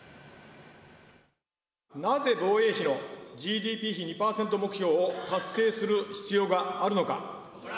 なぜ防衛費のＧＤＰ比２％目標を達成する必要があるのか。